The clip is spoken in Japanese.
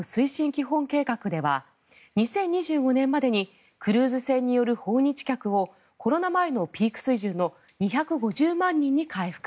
基本計画では２０２５年までにクルーズ船による訪日客をコロナ前のピーク水準の２５０万人に回復。